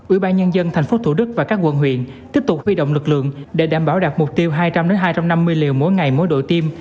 ủy ban nhân dân tp thủ đức và các quận huyện tiếp tục huy động lực lượng để đảm bảo đạt mục tiêu hai trăm linh hai trăm năm mươi liều mỗi ngày mỗi đội tiêm